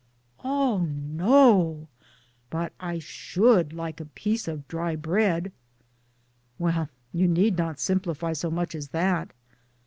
"" Oh no ! but I should like a piece of dry bread." " Well, you need not * simplify ' so much as that."